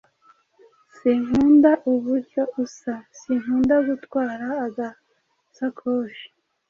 Sinkunda uburyo usa. Sinkunda gutwara agasakoshi.